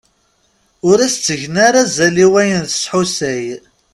Ur as-ttgen ara azal i wayen tesḥusay.